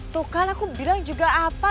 tuh kan aku bilang juga apa